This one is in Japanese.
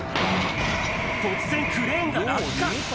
突然、クレーンが落下。